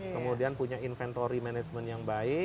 kemudian punya inventory management yang baik